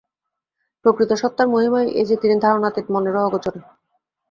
প্রকৃত সত্তার মহিমাই এই যে, তিনি ধারণাতীত, মনেরও অগোচর।